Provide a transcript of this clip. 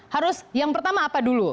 harus yang pertama apa dulu